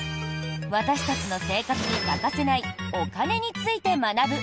私たちの生活に欠かせないお金について学ぶ